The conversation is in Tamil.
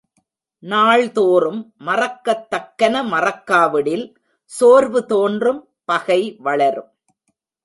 நாள்தோறும் மறக்கத்தக்கன மறக்கா விடில் சோர்வு தோன்றும் பகை வளரும்.